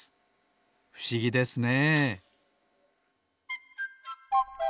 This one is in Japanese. ふしぎですね。